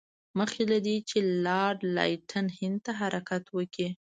مخکې له دې چې لارډ لیټن هند ته حرکت وکړي.